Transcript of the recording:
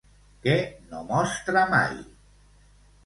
Què no mostra mai?